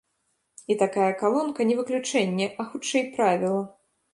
І такая калонка не выключэнне, а, хутчэй, правіла.